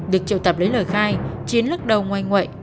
được triệu tập lấy lời khai chiến lắc đầu ngoay ngoậy